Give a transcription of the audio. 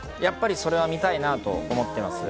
それは見たいなって思ってます。